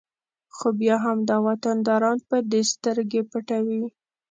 خو بیا همدا وطنداران په دې سترګې پټوي